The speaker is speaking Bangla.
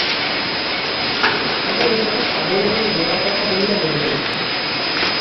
আমি ঐ কথা পাগল এবং গোঁড়ার কথা বলিয়া মনে করি।